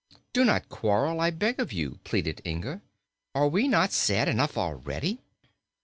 "Do not quarrel, I beg of you," pleaded Inga. "Are we not sad enough already?"